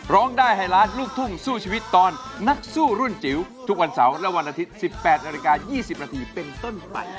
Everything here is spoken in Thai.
ร้องได้ให้ล้านลูกทุ่งสู้ชีวิตตอนนักสู้รุ่นจิ๋วทุกวันเสาร์และวันอาทิตย์๑๘นาฬิกา๒๐นาทีเป็นต้นไป